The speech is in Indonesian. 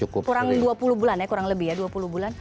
kurang dua puluh bulan ya kurang lebih ya dua puluh bulan